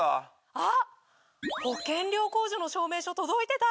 あっ保険料控除の証明書届いてた！